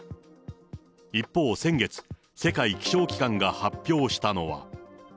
一方、先月、世界気象機関が発表したのは。